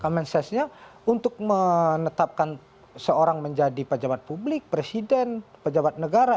common sense nya untuk menetapkan seorang menjadi pejabat publik presiden pejabat negara